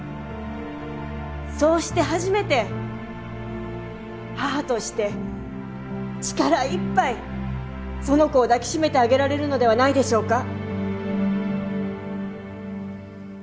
そうして初めて母として力いっぱいその子を抱き締めてあげられるのではないでしょうか。